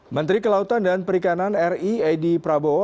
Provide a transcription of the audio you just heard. menteri kelautan dan perikanan ri edy prabowo